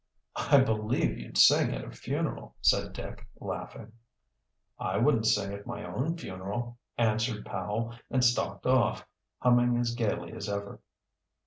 "I believe you'd sing at a funeral," said Dick, laughing. "I wouldn't sing at my own funeral," answered Powell, and stalked off, humming as gayly as ever.